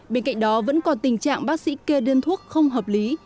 bên cạnh đó vẫn còn tình trạng bác sĩ kê đơn thuốc không hợp lý